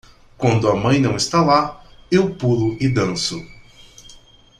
Quando a mãe não está lá, eu pulo e danço.